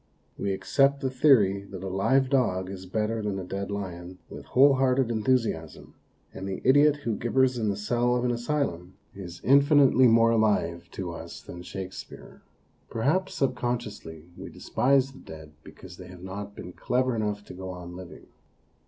We accept the theory that a live dog is better than a dead lion with whole hearted enthusiasm, and the idiot who gibbers in the cell of an asylum THE VERDICT OF POSTERITY 181 is infinitely more alive to us than Shake speare. Perhaps, subconsciously, we despise the dead because they have not been clever enough to go on living.